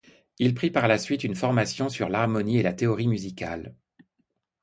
Il prit par la suite une formation sur l'harmonie et la théorie musicale.